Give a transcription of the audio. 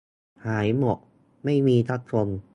หายหมด ไม่มีซักคน